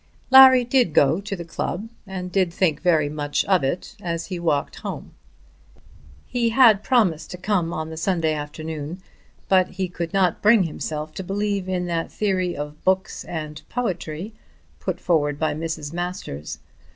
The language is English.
Larry did go to the club and did think very much of it as he walked home. He had promised to come on the Sunday afternoon, but he could not bring himself to believe in that theory of books and poetry put forward by Mrs. Masters.